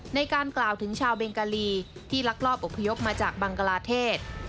ในการกล่าวถึงชาวเบงกาลีที่ลักลอบอพยพมาจากบังกลาเทศ